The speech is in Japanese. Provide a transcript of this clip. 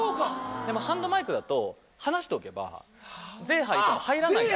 でもハンドマイクだと離しておけばゼーハー言っても入らないんですよ。